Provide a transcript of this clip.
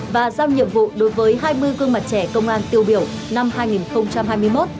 và giao nhiệm vụ đối với hai mươi gương mặt trẻ công an tiêu biểu năm hai nghìn hai mươi một